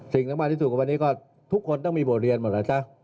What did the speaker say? สิ่งสำคัญที่สุดกับวันนี้ก็ทุกคนต้องมีบทเรียนหมดแล้วจ๊ะ